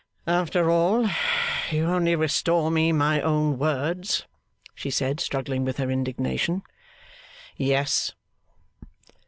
'After all, you only restore me my own words,' she said, struggling with her indignation. 'Yes.